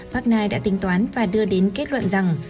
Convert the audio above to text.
bagnay đã tính toán và đưa đến kết luận rằng